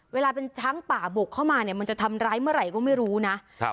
เวลาเป็นช้างป่าบุกเข้ามาเนี่ยมันจะทำร้ายเมื่อไหร่ก็ไม่รู้นะครับ